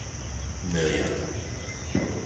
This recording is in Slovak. Meliata